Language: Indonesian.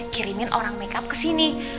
kirimin orang make up kesini